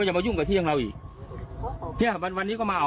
จะไม่ยุ่งอีกวันนี้๓๑นะละอีกในวันที่ก็มาเอา